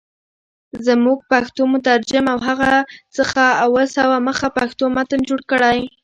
زموږ پښتو مترجم له هغه څخه اووه سوه مخه پښتو متن جوړ کړی.